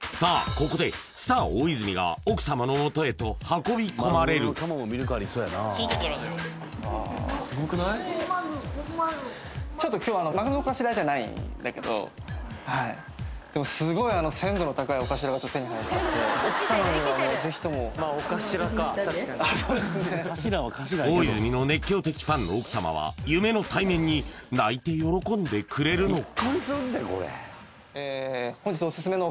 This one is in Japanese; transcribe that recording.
ここでスター大泉が奥様の元へと運び込まれる大泉の熱狂的ファンの奥様は夢の対面に泣いて喜んでくれるのか？